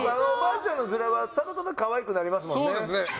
おばあちゃんのヅラはただただかわいくなりますもんね。